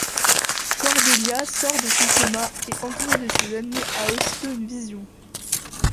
Cordelia sort de son coma et, entourée de ses amis, a aussitôt une vision.